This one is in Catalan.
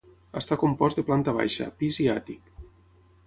Està compost de planta baixa, pis i àtic.